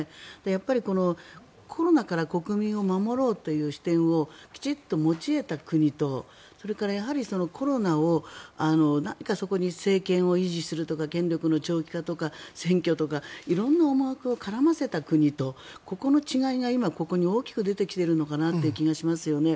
やっぱり、コロナから国民を守ろうという視点をきちんと持ち得た国とそれからコロナを何かそこに政権を維持するとか権力の長期化とか選挙とか色んな思惑を絡ませた国とここの違いが今、ここに大きく出てきているのかなという気がしますよね。